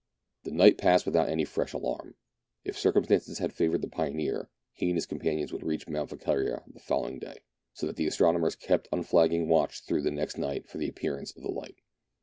The night passed without any fresh alarm. If circum stances had favoured the pioneer, he and his companions would reach Mount Volquiria the following day, so that the astronomers kept unflagging watch through the next night for the appearance of the light.